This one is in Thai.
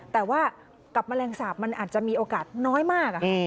แต่ว่ากับแมลงสาปมันอาจจะมีโอกาสน้อยมาก